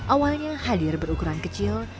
awalnya hadir berukuran kecil